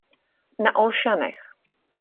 Na Olšanech.